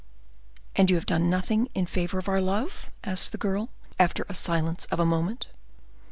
"And you have done nothing in favor of our love?" asked the girl, after a silence of a moment.